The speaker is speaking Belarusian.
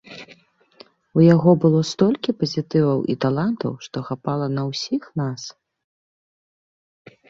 У яго было столькі пазітыву і таланту, што хапала на ўсіх нас.